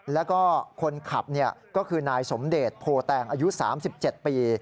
แล้วก็คนขับก็คือนายสมเดชโพแตงอายุ๓๗ปี